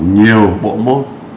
nhiều bộ môn